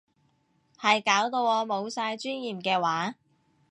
係搞到我冇晒尊嚴嘅話